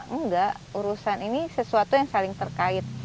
enggak urusan ini sesuatu yang saling terkait